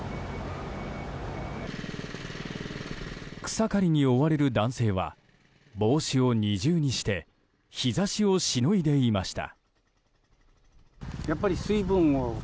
草刈りに追われる男性は帽子を二重にして日差しを、しのいでいました。